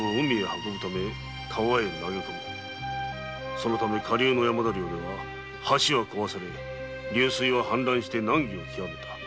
そのため下流の山田領では橋は壊され流水は氾濫して難儀を極めた。